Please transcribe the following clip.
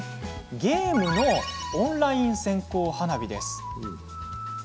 ゲームのオンライン線香花火です。